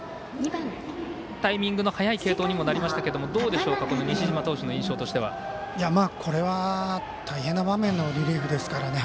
タイミングの早い継投にもなりましたがどうでしょうか西嶋投手の印象としては。これは大変な場面でのリリーフですからね。